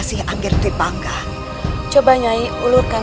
seperti yang kamu janjikan